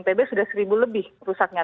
pb sudah seribu lebih rusaknya